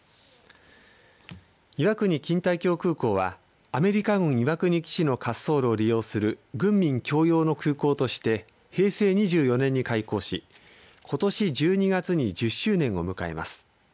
岩国錦帯橋空港はアメリカ軍岩国基地の滑走路を利用する軍民共用の空港として平成２４年に開港しことし１２月に１０周年を迎えます。